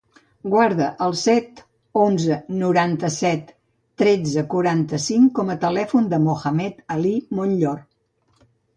Guarda el set, onze, noranta-set, tretze, quaranta-cinc com a telèfon del Mohamed ali Monllor.